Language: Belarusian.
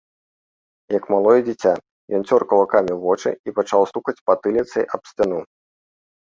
Як малое дзіця, ён цёр кулакамі вочы і пачаў стукаць патыліцай аб сцяну.